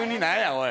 おい。